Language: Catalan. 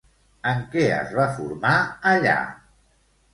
En què es va formar allà?